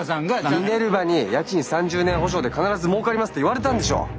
ミネルヴァに「家賃３０年保証で必ずもうかります」って言われたんでしょ。